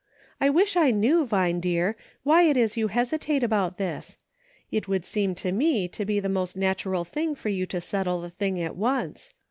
I wish I knew, Vine dear, why it is you hesitate about this. It would seem to me to be the most natural thing for you to settle the thing at once.